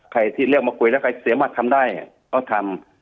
ใครที่เรียกมาคุยแล้วใครสามารถทำได้ก็ทำ